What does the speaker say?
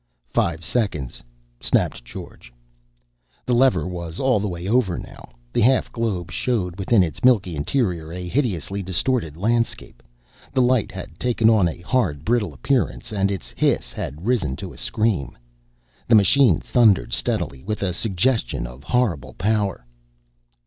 "Five seconds," snapped George. The lever was all the way over now. The half globe showed, within its milky interior, a hideously distorted landscape. The light had taken on a hard, brittle appearance and its hiss had risen to a scream. The machine thundered steadily with a suggestion of horrible power.